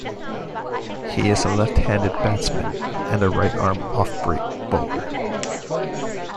He is a left-handed batsman and a right-arm offbreak bowler.